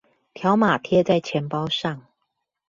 條碼貼在錢包上